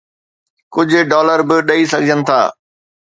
ڪجهه ڊالر به ڏئي سگهجن ٿا.